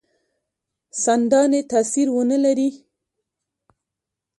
څنداني تاثیر ونه لري.